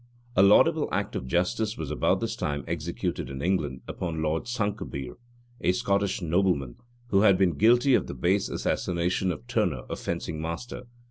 A laudable act of justice was about this time executed in England upon Lord Sanqubir, a Scottish nobleman, who had been guilty of the base assassination of Turner, a fencing master.